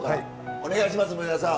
お願いします梅沢さん。